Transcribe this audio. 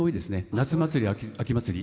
夏祭りや秋祭り。